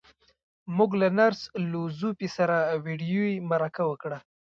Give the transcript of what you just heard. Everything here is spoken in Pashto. موږ له نرس لو ځو پي سره ويډيويي مرکه وکړه.